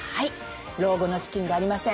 「老後の資金がありません！」